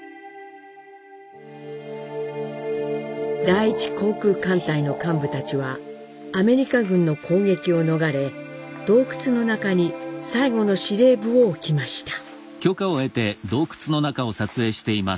第一航空艦隊の幹部たちはアメリカ軍の攻撃を逃れ洞窟の中に最後の司令部を置きました。